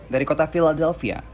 dari kota philadelphia